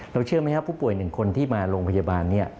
เชื่อไหมครับผู้ป่วย๑คนที่มาโรงพยาบาล